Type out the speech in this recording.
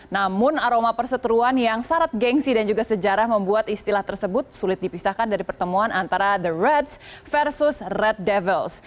namun aroma perseteruan yang syarat gengsi dan juga sejarah membuat istilah tersebut sulit dipisahkan dari pertemuan antara the reds versus red devils